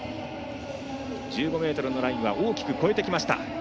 １５ｍのラインは大きく超えてきました。